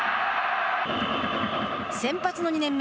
先発の２年目